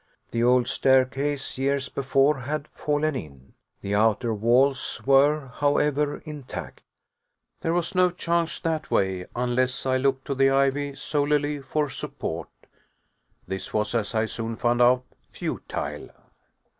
The old staircase, years before, had fallen in. The outer walls were, however, intact. There was no chance that way, unless I looked to the ivy solely for support. This was, as I soon found out, futile.